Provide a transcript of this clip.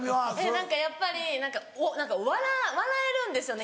何かやっぱり笑えるんですよね